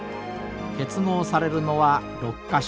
結合されるのは６か所。